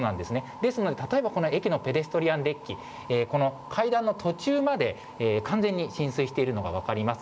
ですので、例えばこの駅のペデストリアンデッキ、この階段の途中まで、完全に浸水しているのが分かります。